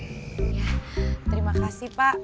ya terima kasih pak